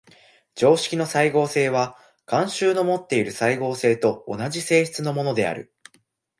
常識の斉合性は慣習のもっている斉合性と同じ性質のものである。